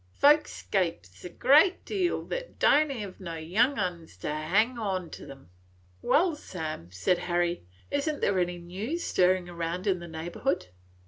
Folks 'scapes a great deal that don't hev no young uns a hangin' onter 'em." "Well, Sam," said Harry, "is n't there any news stirring round in the neighborhood?"